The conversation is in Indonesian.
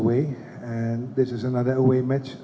ini adalah pertandingan yang berakhir